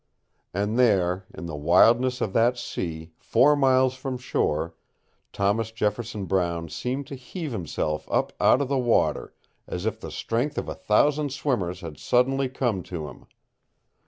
And there, in the wildness of that sea, four miles from shore, Thomas Jefferson Brown seemed to heave himself up out of the water, as if the strength of a thousand swimmers had suddenly come to him.